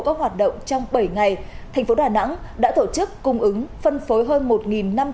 các hoạt động trong bảy ngày tp đà nẵng đã tổ chức cung ứng phân phối hơn